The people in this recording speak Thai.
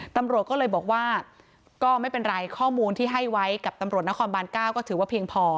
ตำรวจก็เลยบอกว่าก็ไม่เป็นไรข้อมูลที่ให้ไว้กับตำรวจนครบาน๙ก็ถือว่าเพียงพอ